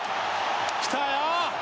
来たよ！